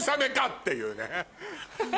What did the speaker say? っていうね。